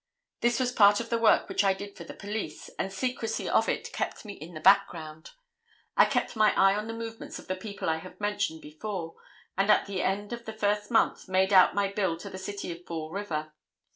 This was part of the work which I did for the police, and secrecy of it kept me in the background. I kept my eye on the movements of the people I have mentioned before, and at the end of the first month, made out my bill to the City of Fall River.